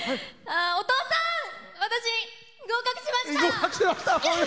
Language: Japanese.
お父さん、私合格しました！